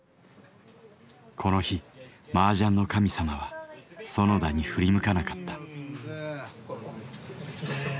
この日麻雀の神様は園田に振り向かなかった。